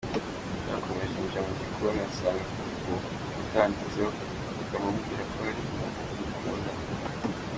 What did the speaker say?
Yarakomeje yinjira mu gikoni asanga ku nkuta handitseho amagambo amubwira ko hari umuntu umukunda.